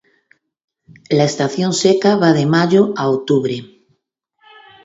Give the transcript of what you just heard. La estación seca va de mayo a octubre.